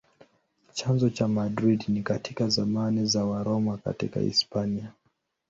Chanzo cha Madrid ni katika zamani za Waroma katika Hispania.